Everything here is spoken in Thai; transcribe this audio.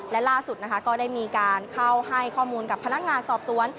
และล่าสุดนะคะก็ได้มีการเข้าให้ข้อมูลกับพนักงานสอบสวน